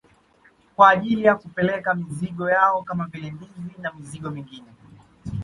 Kwa ajili ya kupeleka mizigo yao kama vile ndizi na mizigo mingine